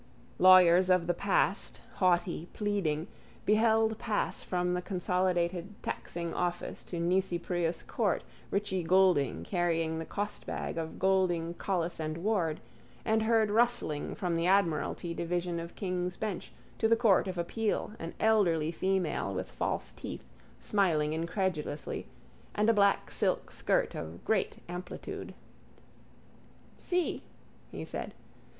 Lawyers of the past, haughty, pleading, beheld pass from the consolidated taxing office to Nisi Prius court Richie Goulding carrying the costbag of Goulding, Collis and Ward and heard rustling from the admiralty division of king's bench to the court of appeal an elderly female with false teeth smiling incredulously and a black silk skirt of great amplitude. —See? he said.